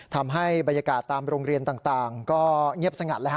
ทำให้บรรยากาศตามโรงเรียนต่างก็เงียบสงัดเลยฮ